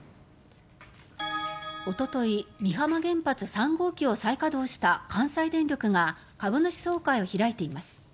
おととい、美浜原発３号機を再稼働した関西電力が株主総会を開いています。